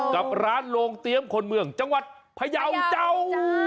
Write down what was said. กับร้านโรงเตรียมคนเมืองจังหวัดพยาวเจ้า